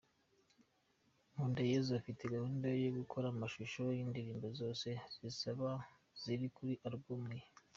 Nkundayesu afite gahunda yo gukora amashusho y’indirimbo zose zizaba ziri kuri album ye.